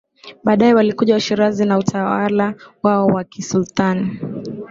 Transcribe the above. Baadaye walikuja Washirazi na utawala wao wa kisultani